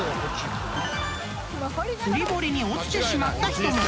［釣り堀に落ちてしまった人も］